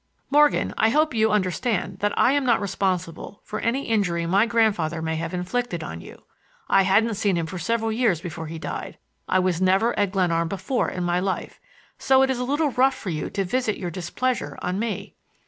"Morgan, I hope you understand that I am not responsible for any injury my grandfather may have inflicted on you. I hadn't seen him for several years before he died. I was never at Glenarm before in my life, so it's a little rough for you to visit your displeasure on me."